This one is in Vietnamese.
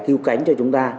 cứu cánh cho chúng ta